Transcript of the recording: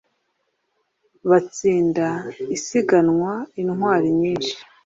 batsinda isiganwa intwari nyinshi